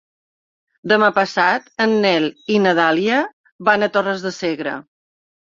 Demà passat en Nel i na Dàlia van a Torres de Segre.